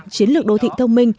chiến lược đô thị thông minh